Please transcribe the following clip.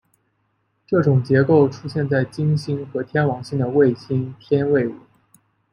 这种结构出现在金星和天王星的卫星天卫五。